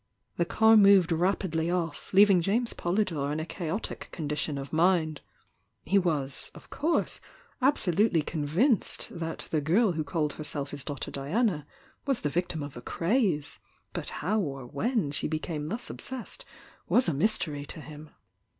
The car moved rapidly off, leaving James Poly dore in a chaotic condition of mind. He was, of course, absolutely convinced that the girl who called herself his daughter Diana was the victim of a craze, but how or when she became thus obsessed was a mystery to him.